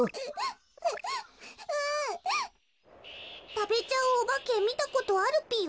たべちゃうおばけみたことあるぴよ？